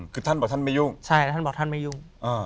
คือท่านบอกท่านไม่ยุ่งใช่แล้วท่านบอกท่านไม่ยุ่ง